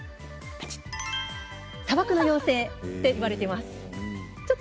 砂漠の妖精といわれています。